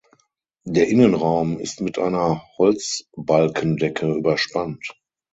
Der Innenraum ist mit einer Holzbalkendecke überspannt.